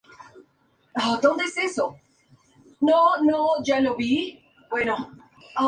En este país, la empresa comercial fue la primera institución moderna que emergió.